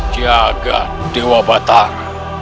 jaga dewa batara